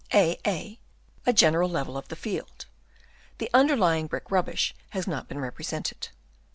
A A, general level of the field. The underlying brick rubbish has not been represented.